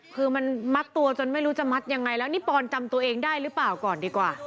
คือมันมัดตัวจนไม่รู้จะมัดยังไงแล้วนี่ปอนจำตัวเองได้หรือเปล่าก่อนดีกว่า